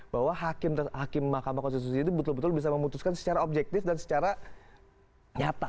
bahwa hakim mahkamah konstitusi itu betul betul bisa memutuskan secara objektif dan secara nyata